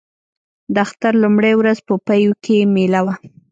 د اختر لومړۍ ورځ په پېوه کې مېله وه.